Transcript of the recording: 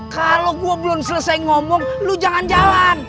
kalo gue belum selesai ngomong lo jangan jalan